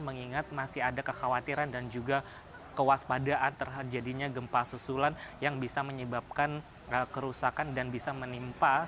mengingat masih ada kekhawatiran dan juga kewaspadaan terhadap jadinya gempa susulan yang bisa menyebabkan kerusakan dan bisa menimpa